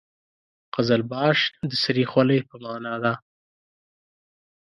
قزلباش د سرې خولۍ په معنا ده.